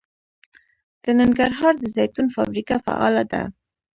د ننګرهار د زیتون فابریکه فعاله ده.